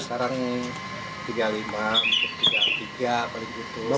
sekarang tiga puluh lima tiga puluh tiga paling utuh